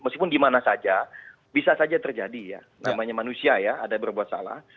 meskipun dimana saja bisa saja terjadi ya namanya manusia ya ada berbuat salah